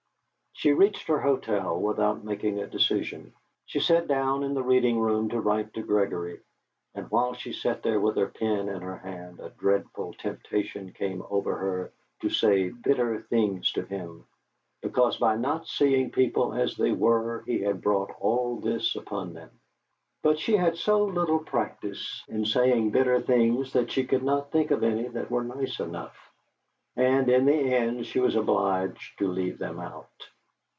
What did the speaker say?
She reached her hotel without making a decision. She sat down in the reading room to write to Gregory, and while she sat there with her pen in her hand a dreadful temptation came over her to say bitter things to him, because by not seeing people as they were he had brought all this upon them. But she had so little practice in saying bitter things that she could not think of any that were nice enough, and in the end she was obliged to leave them out.